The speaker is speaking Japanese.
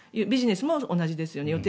ビジネスも同じですよね。